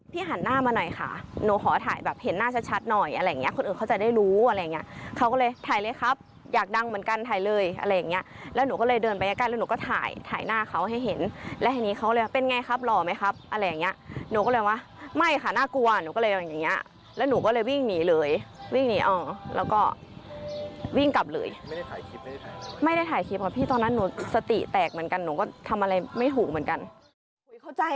พี่หันหน้ามาหน่อยค่ะหนูขอถ่ายแบบเห็นหน้าชัดหน่อยอะไรอย่างเงี้ยคนอื่นเขาจะได้รู้อะไรอย่างเงี้ยเขาก็เลยถ่ายเลยครับอยากดังเหมือนกันถ่ายเลยอะไรอย่างเงี้ยแล้วหนูก็เลยเดินไปกันแล้วหนูก็ถ่ายถ่ายหน้าเขาให้เห็นและอันนี้เขาเลยว่าเป็นไงครับหล่อไหมครับอะไรอย่างเงี้ยหนูก็เลยว่าไม่ค่ะหน้ากลัวหนูก็เลยว่า